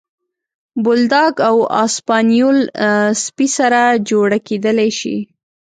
بولداګ او اسپانیول سپي سره جوړه کېدلی شي.